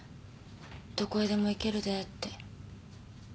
「どこへでも行けるで」って。